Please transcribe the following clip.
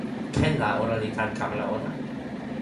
ken la ona li tan kalama ona?